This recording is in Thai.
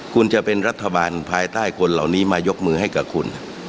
คุณจะเป็นรัฐบาลภายใต้คนเหล่านี้มายกมือให้กับคุณ